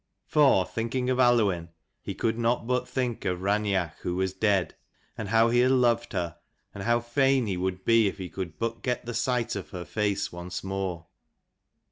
For, thinking of Aluinn, he could not but think of Raineach who was dead : and how he had loved her, and how fain he would be if he could but get the sight of her face once more.